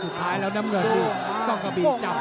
สุดท้ายแล้วน้ำเงินเนี่ย